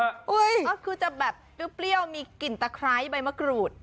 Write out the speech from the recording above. ก็คือจะแบบเปรี้ยวมีกลิ่นตะไคร้ใบมะกรูด